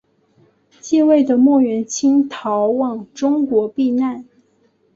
继位的莫元清逃往中国避难。